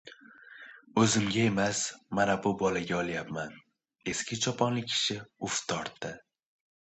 — Oo‘zimga emas, mana bu bolaga olyapman! — eski choponli kishi uf tortdi.